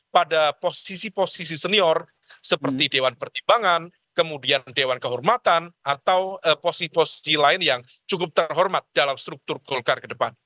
pada posisi posisi senior seperti dewan pertimbangan kemudian dewan kehormatan atau posisi posisi lain yang cukup terhormat dalam struktur golkar ke depan